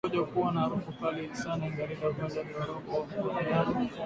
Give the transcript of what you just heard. Mkojo kuwa na harufu kali sana ni dalili ya ugonjwa wa ndorobo kwa mnyama